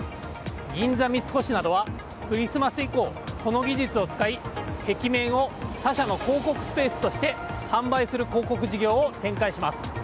銀座三越などは、クリスマス以降この技術を使い壁面を他社の広告スペースとして販売する広告事業を展開します。